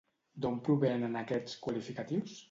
D'on provenen aquests qualificatius?